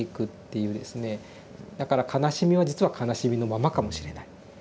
だから悲しみは実は悲しみのままかもしれない。